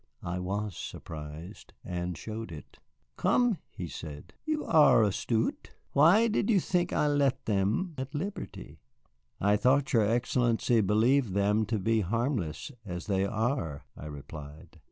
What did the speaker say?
I was surprised, and showed it. "Come," he said, "you are astute. Why did you think I left them at liberty?" "I thought your Excellency believed them to be harmless, as they are," I replied.